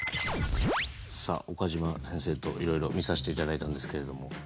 さあ岡島先生といろいろ見させていただいたんですけれども。